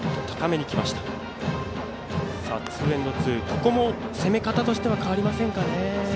ここも攻め方としては変わりませんかね？